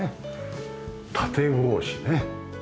縦格子ね。